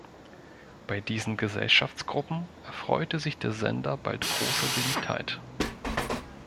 Bei diesen Gesellschaftsgruppen erfreute sich der Sender bald großer Beliebtheit.